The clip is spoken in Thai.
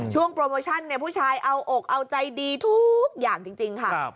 โปรโมชั่นผู้ชายเอาอกเอาใจดีทุกอย่างจริงค่ะ